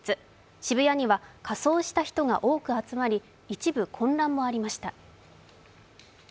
渋谷には仮装した人が多く集まり、一部混乱もありました。